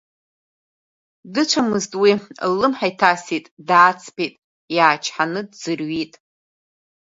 Дыцәамызт уи, ллымҳа иҭасит, дааҵԥеит, иаачҳаны дӡырҩит.